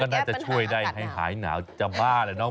น่าจะช่วยได้ให้หายหนาวจะบ้าแล้วเนาะ